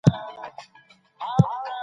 اوسني لیکوالان نویو میتودونو ته پام کوي.